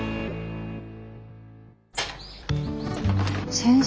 先生